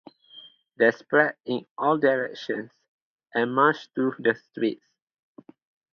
They spread in all directions and march through the streets.